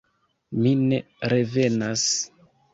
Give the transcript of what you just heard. Mi ne revenas.